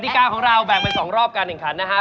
กฎิกาของเราแบ่งไปสองรอบการแข่งขันนะฮะ